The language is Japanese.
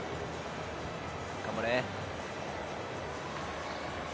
頑張れ。